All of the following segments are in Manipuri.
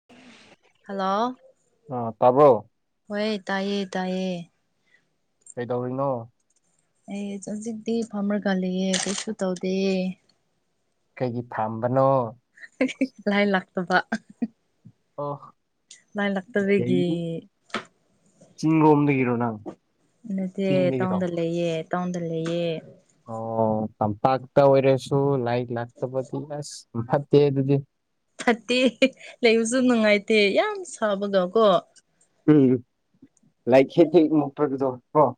[inaudible] ꯍꯜꯂꯣ ꯑꯥ ꯇꯥꯕ꯭ꯔꯣ ꯍꯣꯏ ꯇꯥꯏꯌꯦ ꯇꯥꯏꯌꯦ ꯀꯩꯗꯧꯔꯤꯅꯣ ꯑꯩ ꯍꯧꯖꯤꯛꯇꯤ ꯐꯝꯔꯒ ꯂꯩꯌꯦ ꯀꯩꯁꯨ ꯇꯧꯗꯤꯌꯦ ꯀꯩꯒꯤ ꯐꯝꯕꯅꯣ [unintelligible] ꯂꯥꯏ ꯂꯥꯛꯇꯕ ꯑꯣ ꯂꯥꯏ ꯂꯥꯛꯇꯕꯒꯤ ꯆꯤꯡ ꯔꯣꯝꯗꯒꯤꯔꯣ ꯅꯪ ꯅꯠꯇꯦ ꯆꯤꯡꯗꯒꯤꯔꯣ ꯇꯥꯎꯟꯗ ꯂꯩꯌꯦ ꯇꯥꯎꯟꯗ ꯂꯩꯌꯦ ꯑꯣ ꯇꯝꯄꯥꯛꯇ ꯑꯣꯏꯔꯁꯨ ꯂꯥꯏ ꯂꯥꯛꯇꯕꯗꯤ ꯑꯁ ꯐꯠꯇꯦ ꯑꯗꯨꯗꯤ ꯐꯠꯇꯦ ꯍꯦ ꯂꯩꯕꯁꯨ ꯅꯨꯡꯉꯥꯏꯇꯦ ꯌꯥꯝ ꯁꯥꯕꯒꯀꯣ ꯎꯝ [unintelligible] ꯀꯣ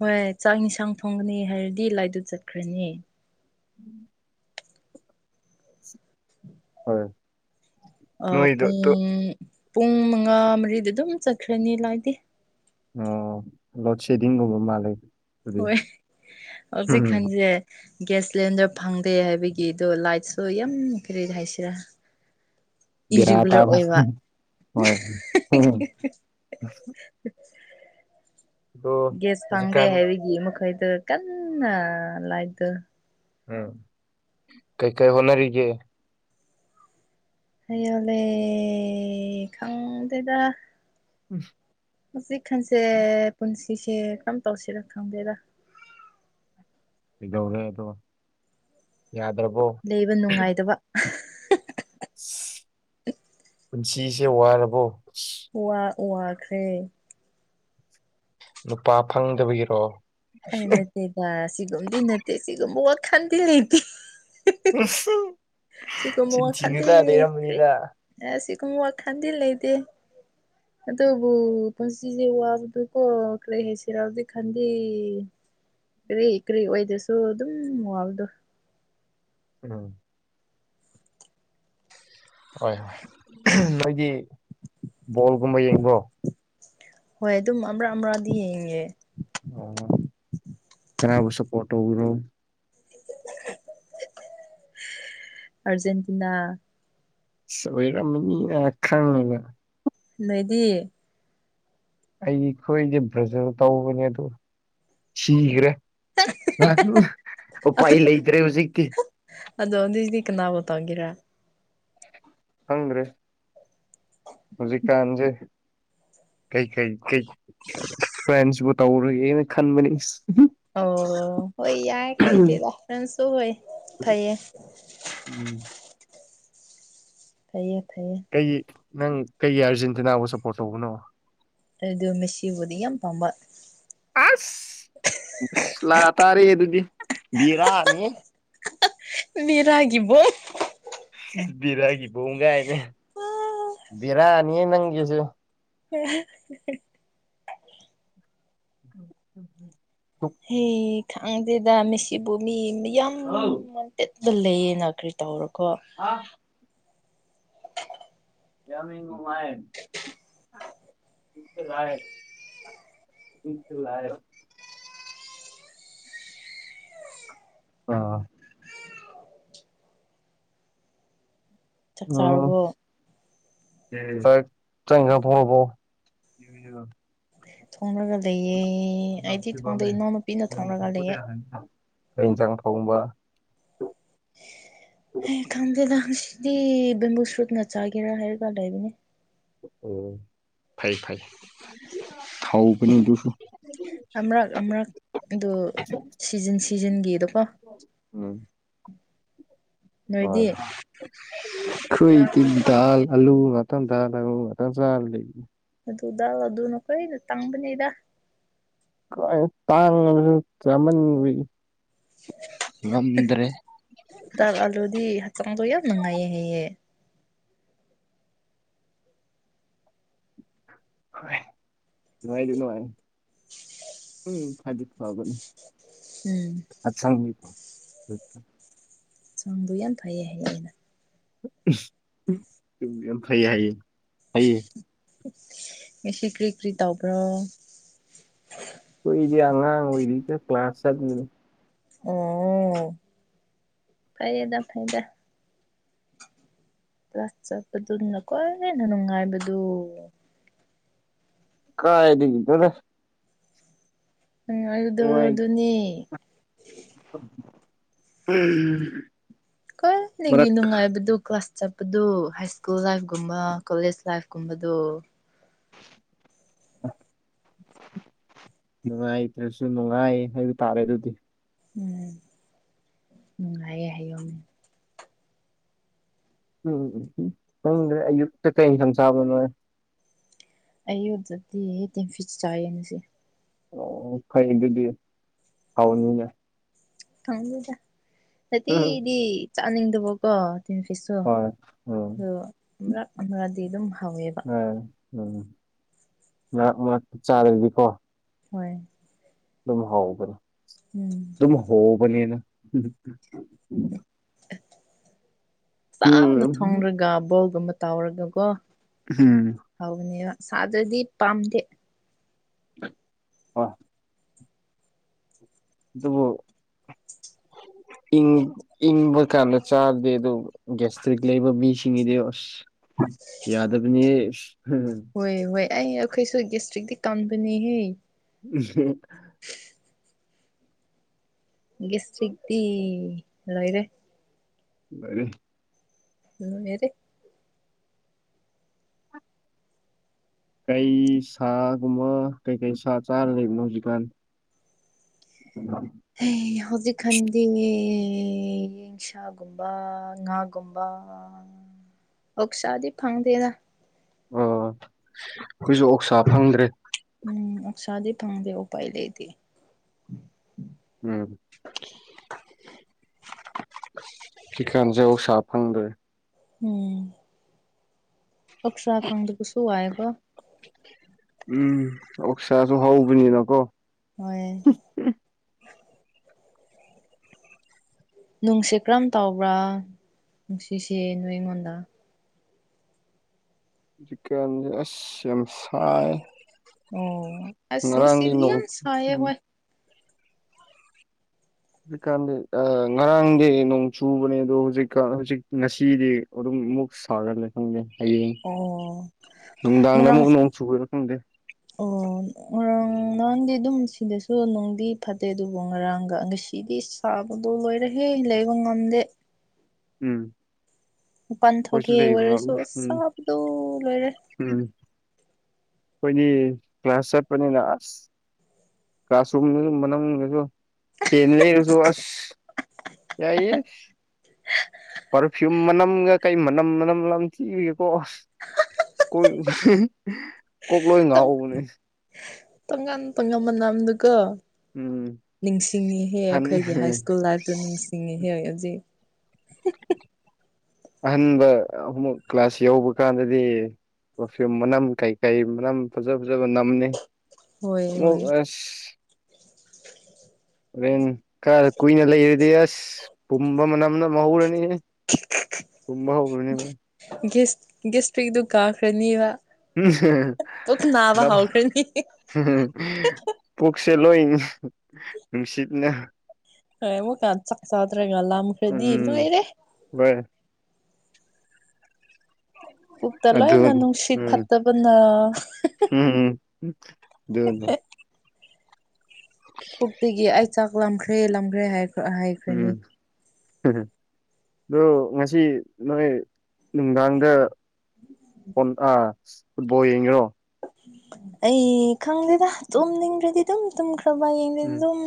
ꯍꯣꯏ ꯆꯥꯛ ꯍꯤꯟꯁꯥꯟ ꯊꯣꯡꯒꯅꯤ ꯍꯥꯏꯔꯗꯤ ꯂꯥꯏꯗꯨ ꯆꯠꯈ꯭ꯔꯅꯤ [inaudible] ꯍꯣꯏ ꯑꯥ ꯅꯣꯏꯗꯣ ꯄꯨꯡ ꯇꯨ ꯄꯨꯡ ꯃꯉꯥ ꯃꯔꯤꯗ ꯑꯗꯨꯝ ꯆꯠꯈ꯭ꯔꯅꯤ ꯂꯥꯏꯠꯗꯤ ꯑꯣ ꯂꯣꯗ ꯁꯦꯗꯤꯡꯒꯨꯕ ꯃꯥꯂꯦ ꯍꯣꯏ ꯍꯧꯖꯤꯛ ꯀꯥꯟꯁꯦ ꯒ꯭ꯌꯥꯁ ꯁꯤꯂꯤꯟꯗꯔ ꯐꯪꯗꯦ ꯍꯥꯏꯕꯒꯤꯗꯣ ꯂꯥꯏꯠꯁꯨ ꯌꯥꯝ ꯀ꯭ꯔꯤ ꯍꯥꯏꯁꯤꯔꯥ ꯕꯦꯔꯥ ꯏꯔꯤꯒꯨꯂꯔ ꯇꯥꯕ ꯑꯣꯏꯕ ꯍꯣꯏ ꯎꯝ [unintelligible] ꯑꯗꯣ ꯒꯦꯁ ꯐꯪꯗꯦ ꯍꯧꯖꯤꯛꯀꯥꯟ ꯍꯥꯏꯕꯒꯤ ꯃꯈꯣꯢꯗꯣ ꯀꯟꯅ ꯂꯥꯏꯠꯗꯨ ꯎꯝ ꯀꯩ ꯀꯩ ꯍꯣꯠꯅꯔꯤꯒꯦ ꯂꯩ ꯌꯣꯜꯂꯦ ꯈꯪꯗꯦꯗ [unintelligible] ꯍꯧꯖꯤꯛ ꯈꯟꯁꯦ ꯄꯨꯟꯁꯤꯁꯦ ꯀꯔꯝ ꯇꯧꯁꯤꯔ ꯈꯪꯗꯦꯗꯥ ꯀꯩꯗꯧꯔꯦ ꯑꯗꯣ ꯌꯥꯗ꯭ꯔꯕꯣ ꯂꯩꯕ ꯅꯨꯡꯉꯥꯏꯗꯕ ꯁꯤ ꯄꯨꯟꯁꯤꯁꯦ ꯋꯥꯔꯕꯣ ꯁꯤ ꯋꯥ ꯋꯥꯈ꯭ꯔꯦ ꯅꯨꯄꯥ ꯐꯪꯗꯕꯒꯤꯔꯣ ꯑꯩ ꯅꯠꯇꯦꯕ ꯁꯤꯒꯨꯝꯗꯤ ꯅꯠꯇꯦ ꯁꯤꯒꯨꯝꯕ ꯋꯥꯈꯟꯗꯤ ꯂꯩꯇꯦ ꯎꯍꯝ ꯆꯤꯟ ꯊꯤꯅꯨꯗ ꯂꯩꯔꯝꯒꯅꯤꯗ ꯑꯁ ꯁꯤꯀꯨꯝ ꯋꯥꯈꯟꯗꯤ ꯂꯩꯇꯦ ꯑꯗꯨꯕꯨ ꯄꯨꯟꯁꯤꯁꯦ ꯋꯥꯕꯗꯨꯀꯣ ꯀꯔꯤ ꯍꯥꯏꯁꯤꯔꯥ ꯍꯧꯖꯤꯛ ꯀꯥꯟꯗꯤ ꯀꯔꯤ ꯀ꯭ꯔꯤ ꯑꯣꯏꯗ꯭ꯔꯁꯨ ꯑꯗꯨꯝ ꯋꯥꯕꯗꯣ ꯎꯝ ꯍꯣꯏ ꯅꯣꯏꯗꯤ ꯕꯣꯜꯒꯨꯝꯕ ꯌꯦꯡꯕ꯭ꯔꯣ ꯍꯣꯏ ꯑꯗꯨꯝ ꯑꯃꯔꯛ ꯑꯃꯔꯛꯗꯤ ꯌꯦꯡꯉꯦ ꯑꯣ ꯀꯅꯥꯕꯨ ꯁꯄꯣꯔ꯭ꯠ ꯇꯧꯕ꯭ꯔꯣ ꯑꯔꯖꯦꯟꯇꯤꯅꯥ ꯁꯣꯏꯔꯝꯃꯅꯤꯅ ꯈꯪꯉꯒ ꯂꯩꯗꯤ ꯑꯩꯈꯣꯏꯗꯤ ꯕ꯭ꯔꯖꯤꯜ ꯇꯧꯕꯅꯦ ꯑꯗꯣ ꯁꯤꯒ꯭ꯔꯦ [unintelligible] ꯎꯄꯥꯏ ꯂꯩꯇ꯭ꯔꯦ ꯍꯨꯖꯤꯛꯇꯤ ꯑꯗꯣ ꯅꯣꯢꯗꯤ ꯀꯅꯥꯕꯨ ꯇꯧꯒꯦꯔꯥ ꯈꯪꯗ꯭ꯔꯦ ꯍꯧꯖꯤꯛ ꯀꯥꯟꯖꯦ ꯀꯩ ꯀꯩ ꯀꯩ ꯐ꯭ꯔꯦꯟꯁꯕꯨ ꯇꯧꯔꯣꯢꯒꯦꯅ ꯈꯟꯕꯅꯤ ꯏꯁ ꯑꯣ ꯍꯣꯏ ꯌꯥꯏ ꯀꯩꯗꯦꯗ ꯐ꯭ꯔꯦꯟꯁꯨ ꯍꯣꯏ ꯐꯩꯌꯦ ꯎꯝ ꯐꯩꯌꯦ ꯐꯩꯌꯦ ꯀꯩ ꯅꯪ ꯀꯩꯒꯤ ꯑꯥꯔꯖꯦꯟꯇꯤꯅꯥꯕꯨ ꯁꯞꯄꯣꯔꯠ ꯇꯧꯕꯅꯣ ꯑꯗꯨ ꯃꯦꯁꯁꯤꯕꯨꯗꯤ ꯌꯥꯝ ꯄꯥꯝꯕ ꯑꯥꯁ ꯃꯨꯁꯂꯥ ꯇꯥꯔꯦ ꯑꯗꯨꯗꯤ ꯕꯤꯔꯥꯅꯤꯍꯦ ꯕꯦꯔꯥꯒꯤ ꯕꯣꯝ ꯕꯤꯔꯥꯒꯤ ꯕꯣꯝ ꯒꯥꯏꯅ ꯕꯤꯔꯥꯅꯤꯍꯦ ꯅꯪꯒꯤꯖꯨ [unintelligible] [inaudible] ꯍꯦ ꯈꯡꯗꯦꯗ ꯃꯦꯁꯤꯕꯨ ꯃꯤ ꯃꯌꯥꯝ ꯍꯥꯎ ꯇꯤꯠꯇ ꯂꯩꯌꯦꯅ ꯀ꯭ꯔꯤ ꯇꯧꯔꯣꯀꯣ ꯑꯥ ꯌꯥꯃꯤ ꯅꯨꯡꯉꯥꯢ [unintelligible] [unintelligible] ꯑꯥ ꯆꯥꯛ ꯎꯝ ꯆꯥꯔꯕꯣ ꯆꯥꯛ ꯏꯟꯖꯥꯡ ꯊꯣꯡꯉꯕꯣ [unintelligible] ꯊꯣꯡꯔꯒ ꯂꯩꯌꯦ ꯑꯩꯗꯤ ꯊꯣꯡꯗꯦ ꯏꯅꯥꯎꯅꯨꯄꯤꯅ ꯊꯣꯡꯔꯒ ꯂꯩꯌꯦ ꯀꯩ ꯢꯟꯖꯥꯡ ꯊꯣꯡꯕ ꯑꯦ ꯈꯥꯟꯗꯦꯗꯥꯟ ꯉꯁꯤꯗꯤ ꯕꯦꯝꯕꯨ ꯁꯨꯠꯅ ꯆꯥꯒꯦꯔꯥ ꯍꯥꯏꯔꯒ ꯂꯩꯕꯅꯦ ꯑꯣ ꯐꯩ ꯐꯩ ꯍꯥꯎꯕꯅꯤ ꯑꯗꯨꯁꯨ ꯑꯃꯔꯛ ꯑꯃꯔꯛ ꯑꯗꯨ ꯁꯤꯖꯤꯟ ꯁꯤꯖꯤꯟꯒꯤꯗꯀꯣ ꯎꯝ ꯅꯣꯏꯗꯤ ꯍꯣꯏ ꯈꯣꯏꯗꯤ ꯗꯥꯜ ꯑꯂꯨ [unintelligible] ꯆꯥꯔꯥ ꯂꯩ ꯑꯗꯨ ꯗꯥꯜ ꯑꯗꯨꯅ ꯐꯩ ꯇꯥꯡꯕꯅꯤꯗ ꯀꯥꯢꯗꯩ ꯇꯥꯡꯉꯕꯁꯨ ꯆꯥꯃꯟꯕꯒꯤ ꯉꯝꯗ꯭ꯔꯦ ꯗꯥꯥꯜ ꯑꯂꯨꯗꯤ ꯍꯛꯆꯥꯡꯗꯣ ꯌꯥꯝ ꯅꯨꯡꯉꯥꯏꯌꯦ ꯍꯥꯏꯌꯦ ꯍꯣꯏ ꯅꯨꯡꯉꯥꯏꯗꯤ ꯅꯨꯡꯉꯥꯏ ꯎꯝ ꯍꯥꯏꯕꯗꯤ ꯐꯥꯕꯅꯤ ꯎꯝ ꯑꯁꯪꯕꯤ ꯁꯝꯗꯣ ꯌꯥꯝ ꯐꯩꯌꯦ ꯍꯥꯏꯌꯦ ꯑꯩꯅ ꯇꯨꯡꯗꯥ ꯌꯥꯝ ꯐꯩ ꯍꯥꯏꯌꯦ ꯐꯩꯌꯦ ꯉꯁꯤ ꯀ꯭ꯔꯤ ꯀ꯭ꯔꯤ ꯇꯧꯕ꯭ꯔꯣ ꯑꯩꯈꯣꯏꯗꯤ ꯑꯉꯥꯡ ꯑꯣꯏꯔꯤꯗ ꯀ꯭ꯂꯥꯁ [unintelligible] ꯑꯣ ꯐꯩꯌꯦꯗ ꯐꯩꯗ ꯀ꯭ꯂꯥꯁ ꯆꯠꯄꯗꯨꯅ ꯈ꯭ꯋꯥꯏꯟꯅ ꯅꯨꯡꯉꯥꯏꯕꯗꯨ ꯀꯥꯏꯗꯒꯤꯅꯣꯗ ꯎꯝ ꯑꯗꯨꯗꯣ ꯑꯗꯨꯅꯤ ꯎꯝ ꯈ꯭ꯋꯥꯏꯗꯒꯤ ꯅꯨꯡꯉꯥꯏꯕꯗꯨ ꯀ꯭ꯂꯥꯁ ꯆꯠꯄꯗꯨ ꯍꯥꯏ ꯁ꯭ꯀꯨꯜ ꯂꯥꯏꯐꯒꯨꯝꯕ ꯀꯣꯂꯦꯖ ꯂꯥꯏꯐ ꯀꯨꯝꯕꯗꯣ [inaudible] ꯅꯨꯡꯉꯥꯏꯇ꯭ꯔꯁꯨ ꯅꯨꯡꯉꯥꯏ ꯍꯥꯏꯕ ꯇꯥꯔꯦ ꯑꯗꯨꯗꯤ ꯎꯝ ꯅꯨꯡꯉꯥꯏꯌꯦ ꯍꯥꯏꯌꯣ ꯎꯝ ꯈꯪꯗꯔꯦ ꯑꯌꯨꯛꯇ ꯀꯩ ꯌꯦꯟꯁꯥꯡ ꯆꯥꯕꯔꯣ ꯅꯣꯏ ꯑꯌꯨꯛꯇꯗꯤ ꯇꯤꯟ ꯐꯤꯁ ꯆꯥꯌꯦ ꯉꯁꯤ ꯑꯣ ꯐꯩ ꯑꯗꯨꯗꯤ ꯍꯥꯎꯅꯤꯅꯦ ꯈꯪꯗꯦꯗ ꯁꯥꯇꯤꯗꯤ ꯆꯥꯅꯤꯡꯗꯕꯀꯣ ꯇꯤꯟ ꯐꯤꯁꯇꯣ ꯍꯣꯏ ꯎꯝ ꯗꯣ ꯃꯔꯛ ꯑꯃꯗꯤ ꯑꯗꯨꯝ ꯍꯥꯎꯋꯦꯕ ꯑꯥ ꯎꯝ ꯃꯔꯛ ꯃꯔꯛ ꯆꯥꯔꯗꯤꯀꯣ ꯍꯣꯏ ꯗꯨꯝ ꯍꯥꯎꯕꯅꯦ ꯎꯝ ꯑꯗꯨꯝ ꯍꯣꯕꯅꯤꯅ ꯄꯥꯅ ꯎꯝ ꯊꯣꯡꯔꯒ ꯕꯣꯜꯒꯨꯝꯕ ꯇꯥꯎꯔꯒꯀꯣ ꯎꯝ ꯍꯥꯎꯕꯅꯦꯕ ꯁꯥꯗ꯭ꯔꯗꯤ ꯄꯥꯝꯗꯦ ꯍꯣꯏ ꯑꯗꯨꯕꯨ ꯏꯪꯕ ꯏꯪꯕ ꯀꯥꯟꯗ ꯆꯥꯔꯗꯤ ꯑꯗꯨ ꯒꯦꯁꯇ꯭ꯔꯤꯛ ꯂꯩꯕ ꯃꯤꯁꯤꯡꯒꯤꯗꯤ ꯑꯁ ꯌꯥꯗꯕꯅꯤꯍꯦ ꯏꯁ ꯍꯣꯏ ꯍꯣꯏ ꯑꯩ ꯑꯩꯈꯣꯏꯁꯨ ꯒꯦꯁꯇ꯭ꯔꯤꯛꯇꯤ ꯀꯟꯕꯅꯦꯍꯦ [unintelligible] ꯒꯦꯁꯇꯔꯤꯛꯇꯤ ꯂꯣꯏꯔꯦ [unintelligible] ꯎꯝ ꯌꯥꯔꯦ ꯀꯩ ꯁꯥꯒꯨꯝꯕ ꯀꯩ ꯀꯩ ꯁꯥ ꯆꯥꯔ ꯂꯩꯕꯅꯣ ꯍꯧꯖꯤꯛꯀꯥꯟ [unintelligible] ꯍꯦ ꯍꯧꯖꯤꯛꯈꯟꯗꯤ ꯁꯥꯒꯨꯝꯕ ꯉꯥꯒꯨꯝꯕ ꯑꯣꯛꯁꯥꯗꯤ ꯐꯪꯗꯦꯗ ꯑꯣ ꯑꯈꯣꯏꯁꯨ ꯑꯣꯛꯁꯥ ꯐꯪꯗ꯭ꯔꯦ ꯎꯝ ꯑꯣꯛꯁꯥꯗꯤ ꯐꯪꯗꯦ ꯎꯄꯥꯏ ꯂꯩꯇꯦ ꯎꯝ ꯆꯤꯀꯟ ꯆꯧ ꯁꯥ ꯐꯪꯗ꯭ꯔꯦ ꯎꯝ ꯑꯣꯛꯁꯥ ꯐꯪꯗꯕꯁꯨ ꯋꯥꯏꯌꯦꯀꯣ ꯎꯝ ꯑꯣꯛꯁꯥꯁꯨ ꯍꯥꯎꯕꯅꯤꯅꯀꯣ ꯍꯣꯏ ꯅꯨꯡꯁꯦ ꯀꯔꯝ ꯇꯧꯕ꯭ꯔꯥ ꯅꯨꯡꯁꯤꯁꯤ ꯅꯣꯏ ꯏꯉꯣꯟꯗ ꯍꯨꯖꯤꯛꯀꯥꯟꯖ ꯑꯁ ꯌꯥꯝ ꯁꯥꯏ ꯑꯣ ꯑꯁ ꯉꯔꯥꯡꯒꯤ ꯉꯁꯤꯗꯤ ꯅꯣꯡ ꯌꯥꯝ ꯁꯥꯏꯌꯦ ꯎꯝ ꯍꯣꯏ ꯍꯧꯖꯤꯛꯀꯥꯟꯗꯤ ꯑꯥ ꯉꯔꯥꯡꯗꯤ ꯅꯣꯡ ꯆꯨꯕꯅꯦ ꯑꯗꯣ ꯍꯨꯖꯤꯛꯀꯥꯟ ꯍꯨꯖꯤꯛ ꯉꯁꯤꯗꯤ ꯑꯗꯨꯨꯝ ꯃꯨꯛ ꯁꯥꯔ ꯂꯩ ꯈꯪꯗꯦ ꯍꯌꯦꯡ ꯑꯣ ꯅꯨꯡꯗꯥꯡꯗ ꯉꯔꯥꯡ ꯑꯃꯨꯛ ꯅꯣꯡ ꯆꯨꯒꯗ꯭ꯔ ꯈꯪꯗꯦ ꯑꯣ ꯉꯔꯥꯡ ꯎꯝ ꯅꯔꯥꯡꯗꯤ ꯑꯗꯨꯝ ꯁꯤꯗꯁꯨ ꯅꯣꯡꯗꯤ ꯐꯠꯇꯦ ꯑꯗꯨꯕꯨ ꯉꯔꯥꯡꯒ ꯉꯁꯤꯗꯤꯁ ꯑꯕꯗꯣ ꯂꯣꯏꯔꯒꯦ ꯂꯩꯕ ꯉꯝꯗꯦ ꯎꯝ ꯃꯄꯥꯟ ꯑꯩꯈꯣꯏꯁꯨ ꯊꯣꯛꯀꯦ ꯂꯩꯕ꯭ꯔꯥ ꯎꯝ ꯑꯣꯏꯔꯁꯨ ꯑꯁ ꯁꯥꯥꯕꯗꯣ ꯂꯣꯏꯔꯦ ꯎꯝ ꯈꯣꯏꯗꯤ ꯀ꯭ꯂꯥꯁ ꯆꯠꯄꯅꯤꯅ ꯑꯁ ꯀ꯭ꯂꯥꯁꯔꯨꯝꯗꯁꯨ ꯃꯅꯨꯡꯗꯨꯁꯨ ꯐꯦꯟ ꯌꯩꯔꯁꯨ ꯑꯁ ꯌꯥꯏꯌꯦ ꯑꯁ ꯄꯔꯐ꯭ꯌꯨꯝ ꯃꯅꯝꯒ ꯀꯩ ꯃꯅꯝ ꯃꯅꯝ ꯂꯝꯊꯤꯕꯒꯤꯀꯣ ꯑꯁ ꯀꯣꯏ [unintelligible] ꯀꯣꯛ ꯂꯣꯏ ꯉꯥꯎꯕꯅꯦ ꯇꯣꯉꯟ ꯇꯣꯉꯟ ꯃꯅꯝꯗꯨꯀꯣ ꯎꯝ ꯅꯤꯡꯁꯤꯡꯉꯤꯍꯦ ꯑꯍꯟ ꯑꯩꯈꯣꯏꯒꯤ ꯍꯥꯏ ꯁ꯭ꯀꯨꯜ ꯂꯥꯏꯐꯇꯣ ꯅꯤꯡꯁꯤꯡꯉꯤꯍꯦ ꯍꯧꯖꯤꯛ ꯑꯍꯟꯕ ꯑꯃꯨꯛ ꯀ꯭ꯂꯥꯁ ꯌꯥꯎꯕ ꯀꯥꯟꯗꯗꯤ ꯄ꯭ꯔꯐꯤꯌꯨꯝ ꯃꯅꯝ ꯀꯩ ꯀꯩ ꯃꯅꯝ ꯐꯖ ꯐꯖꯕ ꯅꯝꯕꯅꯤ ꯍꯣꯏ ꯑꯃꯨꯛ ꯍꯣꯏ ꯑꯁ ꯍꯣꯔꯦꯟ ꯈꯔ ꯀꯨꯏꯅ ꯂꯩꯔꯗꯤ ꯑꯁ ꯄꯨꯝꯕ ꯃꯅꯝ ꯅꯝ [unintelligible] ꯄꯨꯝꯕ ꯍꯧꯒ꯭ꯔꯅꯤꯕ ꯒꯤꯁ ꯒꯤꯁꯇ꯭ꯔꯤꯗꯨ ꯀꯥꯈ꯭ꯔꯅꯤꯕ [unintelligible] ꯄꯨꯛ ꯅꯥꯕ ꯍꯧꯈ꯭ꯔꯅꯤ ꯄꯨꯛꯁꯦ ꯂꯣꯏ ꯅꯨꯡꯁꯤꯠꯅ ꯑꯩ ꯑꯃꯨꯛꯀ ꯆꯥꯛ ꯆꯥꯗ꯭ꯔꯤꯒ ꯂꯥꯝ ꯎꯝ ꯋꯥꯏ ꯄꯨꯛꯇ ꯂꯣꯏꯅ ꯑꯗꯨꯅꯤ ꯅꯨꯡꯁꯤꯠ ꯎꯝ ꯐꯠꯇꯕꯅ ꯎꯝ ꯎꯝ ꯑꯗꯨꯅꯤ ꯄꯨꯛꯇꯒꯤ ꯑꯩ ꯆꯥꯛ ꯂꯥꯝꯈ꯭ꯔꯦ ꯂꯥꯝꯈ꯭ꯔꯦ ꯍꯥꯏ ꯎꯝ ꯑꯗꯣ ꯉꯁꯤ ꯅꯣꯏ ꯅꯨꯡꯗꯥꯡꯗ ꯐꯣꯟ ꯑꯥ ꯐꯨꯠꯕꯣꯜ ꯌꯦꯡꯉꯤꯔꯣ ꯑꯩ ꯈꯪꯗꯦꯗ ꯇꯨꯝꯅꯤꯡꯈ꯭ꯔꯗꯤ ꯑꯗꯨꯝ ꯇꯨꯝꯈ꯭ꯔꯕ ꯌꯦꯡꯗꯦ ꯎꯝ ꯑꯗꯨꯝ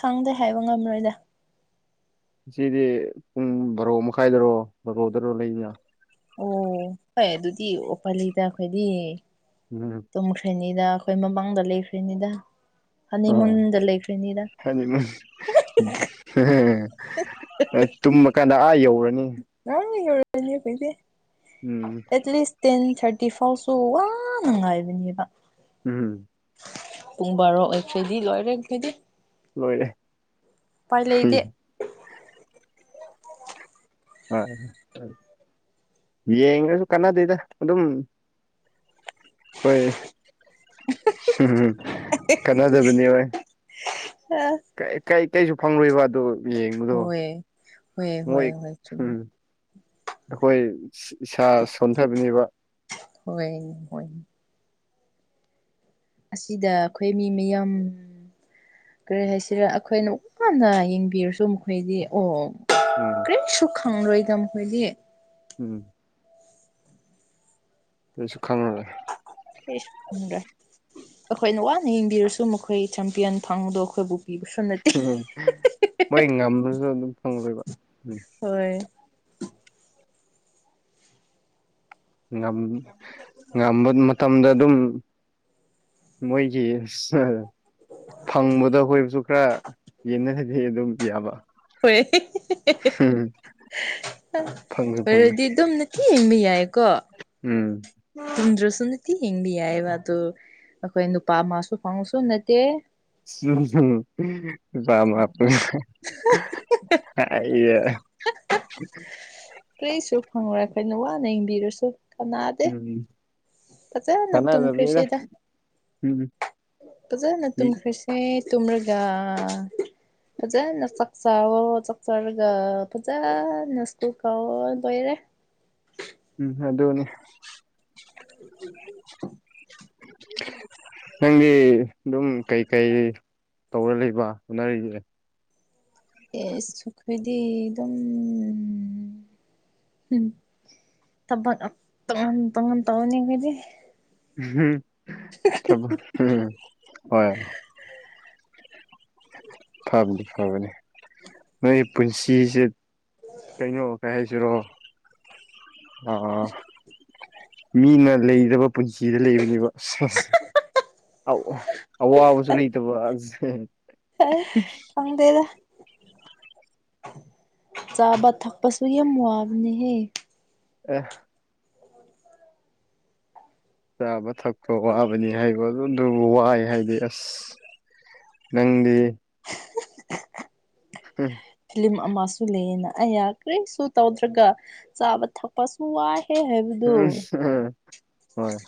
ꯈꯪꯗꯦ ꯍꯥꯏꯕ ꯉꯝꯔꯣꯏꯗ ꯉꯁꯤꯗꯤ ꯄꯨꯡ ꯕꯥꯔꯣ ꯃꯈꯥꯏꯗꯔꯣ ꯕꯥꯔꯣꯗꯔꯣ ꯂꯩꯅꯤꯅ ꯑꯣ ꯑꯩ ꯑꯗꯨꯗꯤ ꯑꯣꯄꯥꯂꯤꯗ ꯑꯈꯣꯏꯗꯤ ꯎꯝ ꯇꯨꯝꯈ꯭ꯔꯦꯅꯤꯗ ꯑꯩꯈꯣꯏ ꯃꯃꯥꯡꯗ ꯂꯩꯈ꯭ꯔꯦꯅꯤꯗ ꯑꯥ [unintelligible] ꯇꯨꯝꯃ ꯀꯥꯟꯗ ꯑꯥ ꯌꯧꯔꯅꯤ ꯅꯍꯥꯟꯅ ꯌꯧꯔꯅꯤ ꯑꯈꯣꯏꯗꯤ ꯎꯝ ꯑꯦꯠꯂꯤꯁ ꯇꯦꯟ ꯊꯥꯔꯇꯤ ꯐꯥꯎꯁꯨ ꯋꯥꯅ ꯉꯥꯏꯕꯅꯤꯕ ꯎꯝꯍꯨꯝ ꯄꯨꯡ ꯕꯥꯔꯣ ꯑꯣꯏꯈ꯭ꯔꯗꯤ ꯂꯣꯏꯔꯦ ꯑꯈꯣꯏꯗꯤ ꯂꯣꯏꯔꯦ ꯂꯩꯇꯦ ꯍꯨꯏ ꯍꯣꯏ ꯍ ꯌꯦꯡꯔꯁꯨ ꯀꯅꯥꯗꯦꯗ ꯑꯗꯨꯝ ꯈꯣꯏ [unintelligible] ꯀꯥꯟꯅꯗꯕꯅꯤ ꯍꯣꯏ ꯀꯩ ꯀꯩ ꯀꯩꯁꯨ ꯐꯪꯂꯣꯏꯕ ꯑꯗꯨ ꯌꯦꯡꯕꯗꯣ ꯍꯣꯏ ꯍꯣꯏ ꯃꯣꯏ ꯍꯣꯏ ꯍꯣꯏ ꯍꯨꯝ ꯆꯨꯝꯃꯦ ꯑꯩꯈꯣꯏ ꯏꯁꯥ ꯁꯣꯟꯊꯕꯅꯦꯕ ꯍꯣꯏ ꯍꯣꯏ ꯑꯁꯤꯗ ꯑꯩꯈꯣꯏ ꯃꯤ ꯃꯌꯥꯝ ꯀꯔꯤ ꯍꯥꯏꯁꯤꯔ ꯑꯩꯈꯣꯏꯅ ꯋꯥꯥꯅ ꯌꯦꯡꯕꯤꯔꯁꯨ ꯃꯈꯣꯏꯗꯤ ꯑꯣ ꯎꯝ ꯀꯔꯤꯁꯨ ꯈꯪꯔꯣꯏꯗ ꯃꯈꯣꯏꯗꯤ ꯎꯝ ꯀꯔꯤꯁꯨ ꯈꯪꯉꯔꯣꯏ ꯑꯩꯁꯨ ꯐꯪꯗ꯭ꯔꯦ ꯑꯈꯣꯏꯅ ꯋꯥꯅ ꯌꯦꯡꯕꯤꯔꯁꯨ ꯃꯈꯣꯏ ꯆꯝꯄꯤꯌꯟ ꯐꯪꯗꯧ ꯈꯣꯏꯕꯨ ꯄꯤꯕꯁꯨ ꯅꯠꯇꯦ ꯃꯣꯏ ꯉꯝꯃꯖꯨ ꯑꯗꯨꯝ ꯐꯪ ꯍꯣꯏ ꯉꯝ ꯉꯝꯕ ꯃꯇꯝꯗ ꯑꯗꯨꯝ ꯃꯣꯏꯒꯤ ꯁ ꯐꯪꯕꯗ ꯑꯩꯈꯣꯏꯕꯨꯁꯨ ꯈꯔ ꯌꯦꯟꯅꯔꯗꯤ ꯑꯗꯨꯝ ꯌꯥꯕ ꯍ‌ꯣꯏ ꯎꯝ ꯐꯪꯁꯨ [unintelligible] ꯐꯪꯕ ꯑꯣꯏꯔꯗꯤ ꯑꯗꯨꯝꯅꯦ ꯍꯤ ꯌꯦꯡꯕ ꯌꯥꯏꯀꯣ ꯎꯝ ꯇꯨꯝꯗ꯭ꯔꯁꯨ ꯅꯨꯇꯤ ꯌ‌ꯦꯡꯕ ꯌꯥꯏꯑꯦꯕ ꯑꯗꯨ ꯑꯩꯈꯣꯏ ꯅꯨꯄꯥ ꯑꯃꯥꯁꯨ ꯐꯪꯉꯁꯨ ꯅꯠꯇꯦ [unintelligible] ꯏꯌꯦ ꯀꯔꯤꯁꯨ ꯐꯪꯔꯣꯏ ꯑꯩꯈꯣꯏꯅ ꯋꯥꯅ ꯌꯦꯡꯕꯤꯔꯁꯨ ꯀꯅꯥꯗꯦ ꯎꯝ ꯐꯖꯅ ꯀꯥꯟꯅꯗꯕꯅꯤꯗ ꯇꯨꯝꯈ꯭ꯔꯦꯁꯤꯗ ꯎꯝ ꯐꯖꯅ ꯇꯨꯝꯈ꯭ꯔꯁꯦ ꯇꯨꯝꯔꯒꯥ ꯐꯖꯅ ꯆꯥꯛ ꯆꯥꯎꯑꯣ ꯆꯛ ꯆꯥꯔꯒ ꯐꯖꯅ ꯁ꯭ꯀꯨꯜ ꯀꯥꯎꯋ‌ꯣ ꯂꯣꯏꯔꯦ ꯎꯝ ꯑꯗꯨꯅꯤ [inaudible] [inaudible] ꯅꯪꯗꯤ ꯑꯗꯨꯝ ꯀꯩꯀꯩ ꯇꯧꯔ ꯂꯩꯕ ꯍꯣꯠꯅꯔꯤꯒꯦ ꯑꯦꯁ ꯑꯈꯣꯏꯗꯤ ꯗꯨꯝ ꯎꯝ ꯊꯕꯛꯑꯞ ꯇ‌ꯣꯡꯉꯥꯟ ꯇ‌ꯣꯡꯉꯥꯟ ꯇꯧꯅꯤꯡꯉꯗꯤ [unintelligible] ꯊꯕꯛ [unintelligible] ꯍꯣꯏ ꯐꯕꯅꯤ ꯐꯕꯅꯦ ꯅꯣꯏꯒꯤ ꯄꯨꯟꯁꯤꯁꯦ ꯀꯩꯅꯣ ꯀꯩ ꯍꯥꯏꯁꯤꯔꯣ ꯑꯥ ꯃꯤꯅ ꯂꯩꯗꯕ ꯄꯨꯟꯁꯤꯗ ꯂꯩꯕꯅꯦꯕ ꯁ‌ꯦꯁ [unintelligible] ꯑꯧ ꯑꯧꯋꯥꯕꯁꯨ ꯂꯩꯇꯕ ꯑꯁ ꯍꯥ ꯈꯪꯗꯦꯗ ꯆꯥꯕ ꯊꯛꯄꯁꯨ ꯌꯥꯝ ꯋꯥꯕꯅꯦꯍꯦ ꯑꯦ ꯆꯥꯕ ꯊꯛꯄꯥ ꯋꯥꯕꯅꯤ ꯍꯥꯏꯕ ꯑꯗꯨꯕꯨ ꯋꯥꯏ ꯍꯥꯏꯗꯤ ꯑꯁ ꯅꯪꯗꯤ ꯍꯨꯝ ꯐꯤꯂꯝ ꯑꯃꯁꯨ ꯂꯩꯌꯦꯅ ꯑꯌ ꯀ꯭ꯔꯤꯁꯨ ꯇꯧꯗ꯭ꯔꯒ ꯆꯕ ꯊꯛꯄꯁꯨ ꯋꯥꯏ ꯍꯦ ꯍꯥꯏꯕ ꯍꯣꯏ